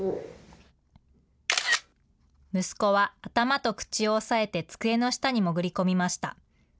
息子は頭と口を押さえて机の下に潜り込みました。